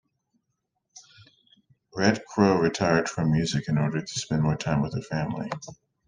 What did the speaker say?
Rhett Crowe retired from music in order to spend more time with her family.